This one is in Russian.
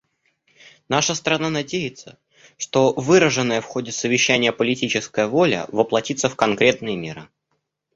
Наша страна надеется, что выраженная в ходе Совещания политическая воля воплотится в конкретные меры.